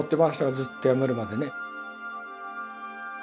ずっとやめるまでね。